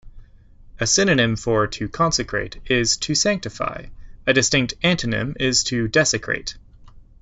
A synonym for to consecrate is to sanctify; a distinct antonym is to desecrate.